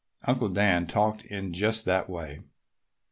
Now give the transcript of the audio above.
Uncle Dan talked in just that way.